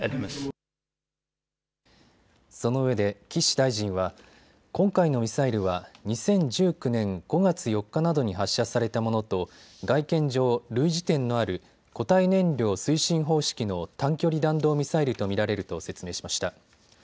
そのうえで岸大臣は今回のミサイルは２０１９年５月４日などに発射されたものと外見上、類似点のある固体燃料推進方式の短距離弾道ミサイルと見られると説明しました。